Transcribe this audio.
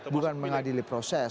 bukan mengadili proses